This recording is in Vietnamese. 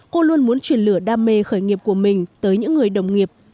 cô luôn muốn truyền lửa đam mê khởi nghiệp của mình tới những người đồng nghiệp